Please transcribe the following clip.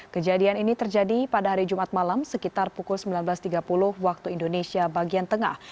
kejadian ini terjadi pada hari jumat malam sekitar pukul sembilan belas tiga puluh waktu indonesia bagian tengah